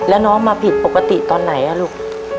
แล้วน้องมาผิดปกติตอนไหนลูก